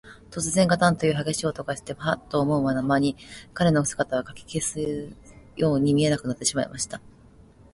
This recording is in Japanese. とつぜん、ガタンというはげしい音がして、ハッと思うまに、彼の姿は、かき消すように見えなくなってしまいました。